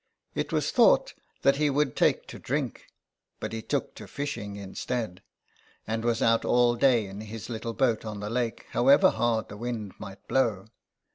It was thought that he would take to drink, but he took to fishing instead, and was out all day in his little boat on the lake, however hard the wind might blow.